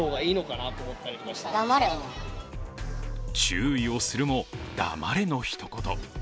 注意をするも「黙れ」のひと言。